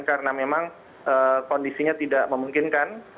karena memang kondisinya tidak memungkinkan